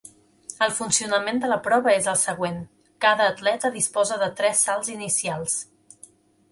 El funcionament de la prova és el següent: cada atleta disposa de tres salts inicials.